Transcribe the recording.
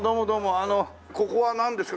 あのここはなんですか？